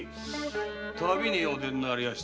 旅にお出になりやした。